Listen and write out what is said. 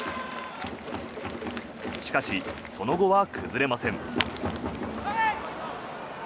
しかし、その後は崩れません。